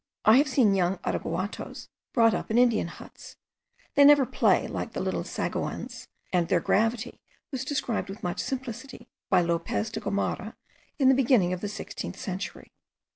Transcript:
I have seen young araguatoes brought up in Indian huts. They never play like the little sagoins, and their gravity was described with much simplicity by Lopez de Gomara, in the beginning of the sixteenth century.